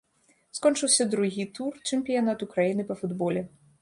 Скончыўся другі тур чэмпіянату краіны па футболе.